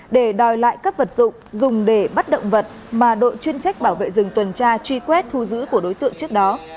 để đòi lại các vật dụng dùng để bắt động vật mà đội chuyên trách bảo vệ rừng tuần tra truy quét thu giữ của đối tượng trước đó